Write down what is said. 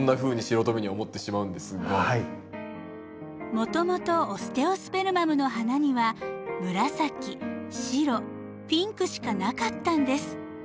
もともとオステオスペルマムの花には紫白ピンクしかなかったんです。